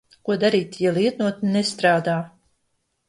Ko darīt, ja lietotne nestrādā?